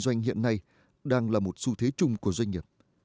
doanh hiện nay đang là một xu thế chung của doanh nghiệp